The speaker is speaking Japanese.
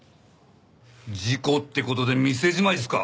事故って事で店じまいですか？